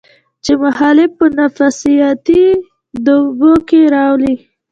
چې مخالف پۀ نفسياتي دباو کښې راولي